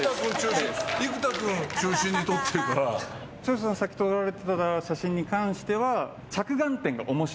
長州さんがさっき撮られてた写真に関しては。